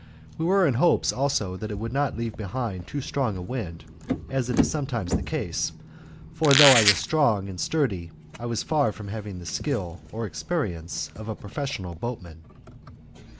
We were in hopes, also, that it would not leave behind it too strong a wind, as is sometimes the case, for though I was strong and sturdy I was far from having the skill or experience of a professional boatman.